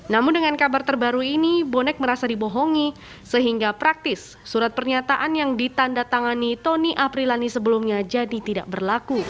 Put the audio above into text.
namun dengan kabar terbaru ini bonek merasa dibohongi sehingga praktis surat pernyataan yang ditanda tangani tony aprilani sebelumnya jadi tidak berlaku